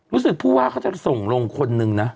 รู้สึกผู้ว่าเขาจะส่งลงคนนึงนะ